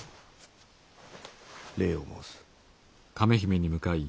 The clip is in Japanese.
礼を申す。